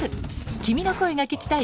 君の声が聴きたい。